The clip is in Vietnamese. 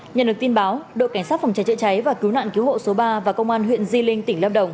nhận được tin báo đội cảnh sát phòng cháy chữa cháy và cứu nạn cứu hộ số ba và công an huyện di linh tỉnh lâm đồng